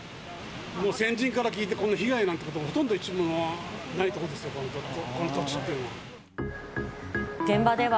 もう先人から聞いて、この被害なんか、ほとんどないと思います、この土地っていうのは。